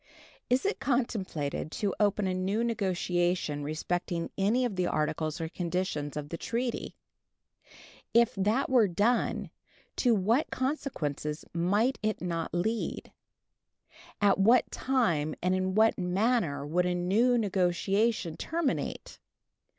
Is it contemplated to open a new negotiation respecting any of the articles or conditions of the treaty? If that were done, to what consequences might it not lead? At what time and in what manner would a new negotiation terminate?